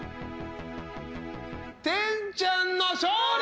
天ちゃんの勝利！